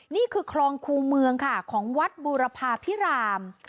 นี่คือคลองครูเมืองค่ะของวัดบูรพาพิราม